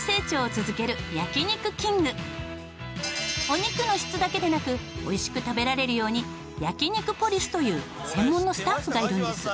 お肉の質だけでなくおいしく食べられるように焼肉ポリスという専門のスタッフがいるんです。